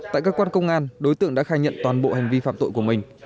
tại các quan công an đối tượng đã khai nhận toàn bộ hành vi phạm tội của mình